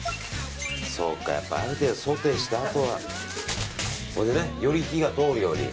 そうか、やっぱりソテーしたあとはこれで、より火が通るように。